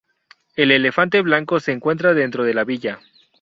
El Elefante Blanco se encuentra dentro de la villa.